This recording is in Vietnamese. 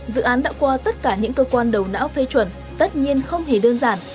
dự án đã qua tất cả những cơ quan đầu não phê chuẩn tất nhiên không hề đơn giản